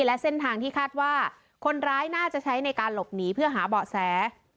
และเส้นทางที่คาดว่าคนร้ายน่าจะใช้ในการหลบหนีเพื่อหาเบาะแส